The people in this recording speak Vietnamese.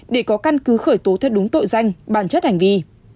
để có căn cứ khởi tố theo đúng tội danh bản chất hành vi